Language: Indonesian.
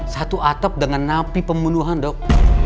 satu atap dengan napi pembunuhan dok